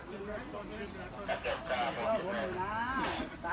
กลับมาเมื่อเวลาเมื่อเวลา